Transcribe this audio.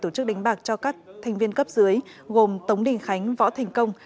tổ chức đánh bạc cho các thành viên cấp dưới gồm tống đình khánh võ thành công